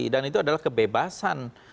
dan itu adalah kebebasan